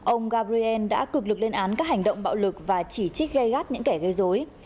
ông gabriel đã cực lực lên án các hành động bạo lực và chỉ trích gây gắt những kẻ gây dối